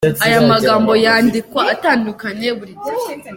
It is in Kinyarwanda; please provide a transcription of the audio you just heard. Aya magambo yandikwa atandukanye buri gihe.